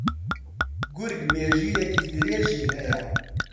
گورگ مێژوویییەکی درێژی ھەیە